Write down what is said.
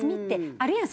あるやん？